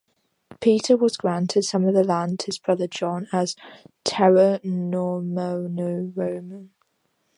Peter was granted some of the land of his brother John as "Terra Normanorum".